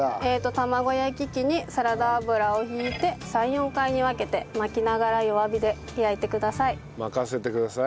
玉子焼き器にサラダ油を引いて３４回に分けて巻きながら弱火で焼いてください。